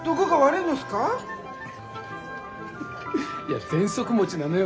いやぜんそく持ちなのよ